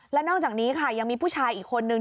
และนอกจากนี้ค่ะยังมีผู้ชายอีกคนนึง